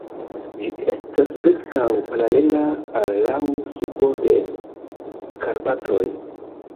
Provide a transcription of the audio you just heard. Ĝi estas preskaŭ paralela al laŭ subo de Karpatoj.